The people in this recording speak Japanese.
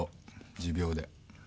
持病で。